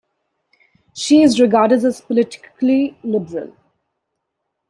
She is regarded as politically liberal.